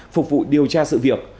phục vụ điều tra sự việc